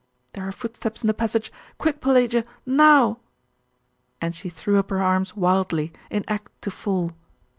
There are footsteps in the passage! Quick, Pelagia! Now ' And she threw up her arms wildly, in act to fall....